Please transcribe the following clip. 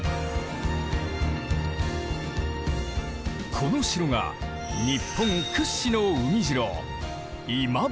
この城が日本屈指の海城今治城だ！